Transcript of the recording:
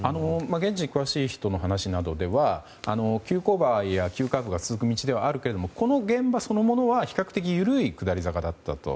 現地に詳しい人の話などでは急勾配や急カーブが続く道ではあるけれどもこの現場そのものは比較的緩い下り坂だったと。